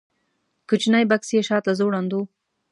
کوچنی بکس یې شاته ځوړند و.